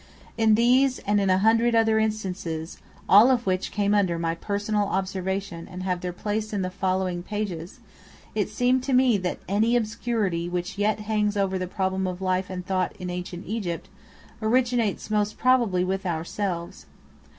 In these and in a hundred other instances, all of which came under my personal observation and have their place in the following pages, it seemed to me that any obscurity which yet hangs over the problem of life and thought in ancient Egypt originates most probably with ourselves.